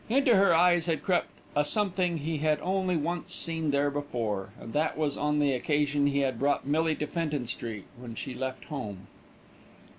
Into her eyes had crept a something he had only once seen there before, and that was on the occasion he had brought Millie to Fenton Street when she left home.